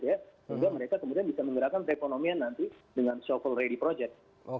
sehingga mereka bisa menggerakkan ekonomi yang nanti dengan so called ready project